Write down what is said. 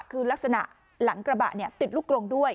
คือลักษณะหลังกระบะติดลูกกลงด้วย